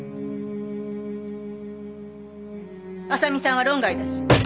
麻美さんは論外だし。